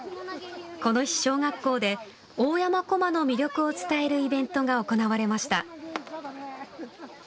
この日、小学校で大山こまの魅力を伝えるイベントが行われました。